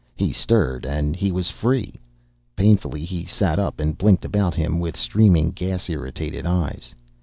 He stirred, and he was free. Painfully, he sat up and blinked about him with streaming, gas irritated eyes.